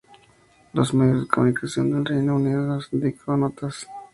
Los medios de comunicación del Reino Unido le han dedicado notas, destacando su labor.